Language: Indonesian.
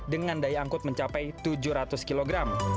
dengan daya angkut mencapai tujuh ratus kg